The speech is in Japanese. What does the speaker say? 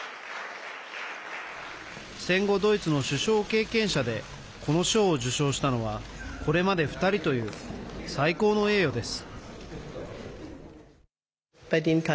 戦後ドイツの首相経験者でこの章を受章したのはこれまで２人という最高の栄誉です。